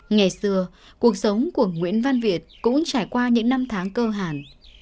ngày xưa cuộc sống của nguyễn văn việt cũng trải qua những năm tháng cơ hàn